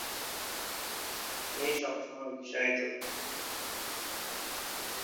তিনি সবসময় উৎসাহিত করতেন।